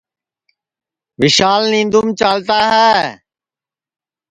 وشال نیںدَوںم چالتا ہے